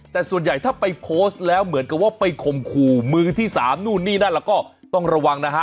แต่ส่วนใหญ่ถ้าไปโพสต์แล้วเหมือนกับว่าไปข่มขู่มือที่สามนู่นนี่นั่นแล้วก็ต้องระวังนะฮะ